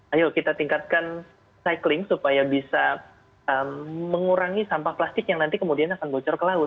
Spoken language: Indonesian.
ayo kita tingkatkan cycling supaya bisa mengurangi sampah plastik yang nanti kemudian akan bocor ke laut